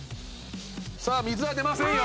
さあ水は出ませんよ